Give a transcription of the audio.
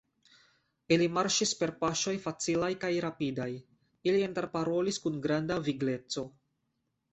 Ili marŝis per paŝoj facilaj kaj rapidaj, ili interparolis kun granda vigleco.